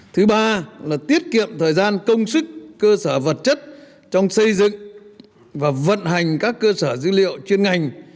thứ ba là tiết kiệm thời gian công sức cơ sở vật chất trong xây dựng và vận hành các cơ sở dữ liệu chuyên ngành